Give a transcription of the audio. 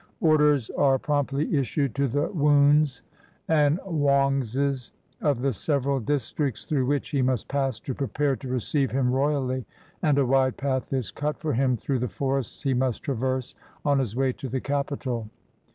Orders are promptly issued to the woons and wongses of the sev eral districts through which he must pass to prepare to receive him royally, and a wide path is cut for him through the forests he must traverse on his way to the capital.